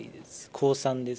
高３です。